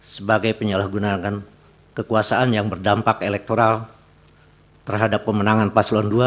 sebagai penyalahgunaan kekuasaan yang berdampak elektoral terhadap pemenangan paslon dua